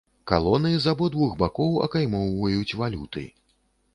Калоны з абодвух бакоў акаймоўваюць валюты.